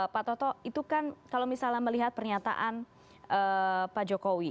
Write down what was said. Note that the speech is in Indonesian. pak toto itu kan kalau misalnya melihat pernyataan pak jokowi